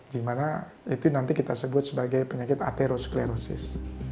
gimana itu nanti kita sebut sebagai penyakit atherosklerosis